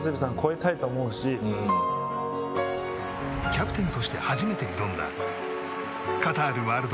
キャプテンとして初めて挑んだカタール